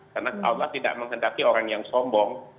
karena allah tidak menghendaki orang yang sombong